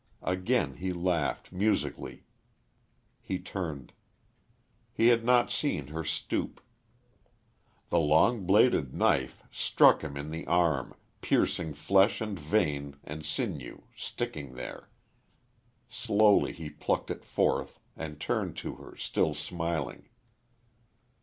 Again he laughed, musically. He turned. He had not seen her stoop. The long bladed knife struck him in the arm, piercing flesh and vein and sinew, sticking there. Slowly he plucked it forth, and turned to her, still smiling.